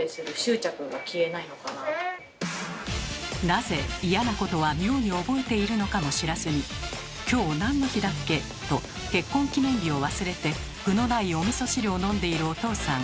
なぜ嫌なことは妙に覚えているのかも知らずに「今日何の日だっけ？」と結婚記念日を忘れて具のないおみそ汁を飲んでいるおとうさん。